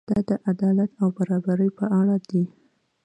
دا د عدالت او برابرۍ په اړه دی.